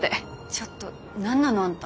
ちょっと何なの？あんた。